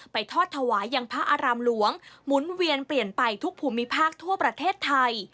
ทอดถวายยังพระอารามหลวงหมุนเวียนเปลี่ยนไปทุกภูมิภาคทั่วประเทศไทย